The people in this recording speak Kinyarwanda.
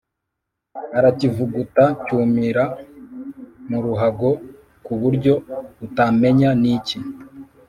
arakivuguta cyumira muruhago kuburyo utamenya niki,